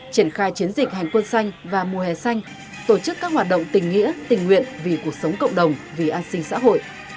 triển khai chiến dịch hành quân xanh và mùa hè xanh tổ chức các hoạt động tình nghĩa tình nguyện vì cuộc sống cộng đồng vì an sinh xã hội